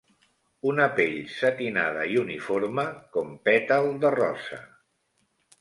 Una pell setinada i uniforme, com pètal de rosa